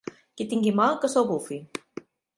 Qui tingui mal que se'l bufi.